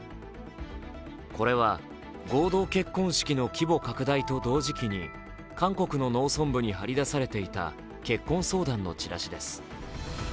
これは合同結婚式の規模拡大と同時期に韓国の農村部に貼り出されていた結婚相談のチラシです。